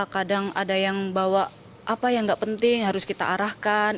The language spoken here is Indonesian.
kadang ada yang bawa apa yang gak penting harus kita arahkan